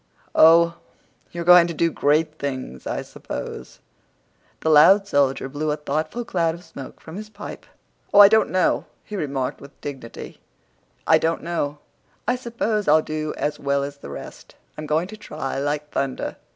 "Oh, you're going to do great things, I s'pose!" The loud soldier blew a thoughtful cloud of smoke from his pipe. "Oh, I don't know," he remarked with dignity; "I don't know. I s'pose I'll do as well as the rest. I'm going to try like thunder."